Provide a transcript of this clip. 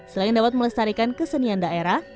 selain dapat melestarikan kesenian daerah